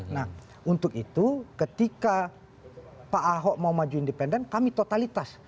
nah untuk itu ketika pak ahok mau maju independen kami totalitas